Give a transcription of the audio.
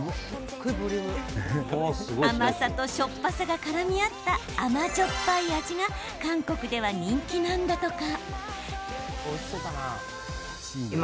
甘さとしょっぱさがからみ合った甘じょっぱい味が韓国では人気なんだとか。